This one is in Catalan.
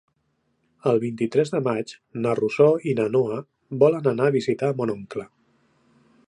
El vint-i-tres de maig na Rosó i na Noa volen anar a visitar mon oncle.